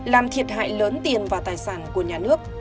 làm thiệt hại lớn tiền và tài sản của nhà nước